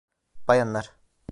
Bayanlar.